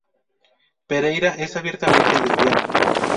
Pereyra es abiertamente lesbiana.